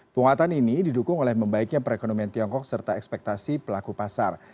penguatan ini didukung oleh membaiknya perekonomian tiongkok serta ekspektasi pelaku pasar